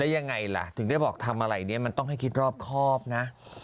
ยังไงล่ะถึงได้บอกทำอะไรเนี่ยมันต้องให้คิดรอบครอบนะ